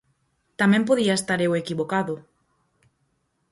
Tamén podía estar eu equivocado.